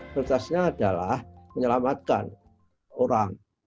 keputusannya adalah menyelamatkan orang